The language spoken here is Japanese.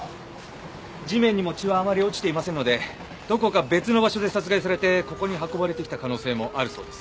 地面にも血はあまり落ちていませんのでどこか別の場所で殺害されてここに運ばれてきた可能性もあるそうです。